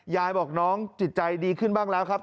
ยายบอกน้องจิตใจดีขึ้นบ้างแล้วครับ